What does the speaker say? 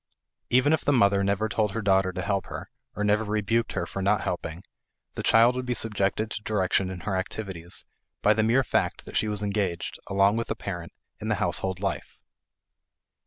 Even if the mother never told her daughter to help her, or never rebuked her for not helping, the child would be subjected to direction in her activities by the mere fact that she was engaged, along with the parent, in the household life.